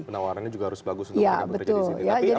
penawarannya juga harus bagus untuk mereka bekerja di sini